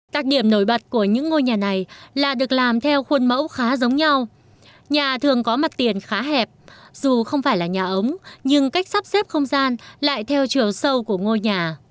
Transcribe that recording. đặc điểm nổi bật của những ngôi nhà này là được làm theo khuôn mẫu khá giống nhau nhà thường có mặt tiền khá hẹp dù không phải là nhà ống nhưng cách sắp xếp không gian lại theo chiều sâu của ngôi nhà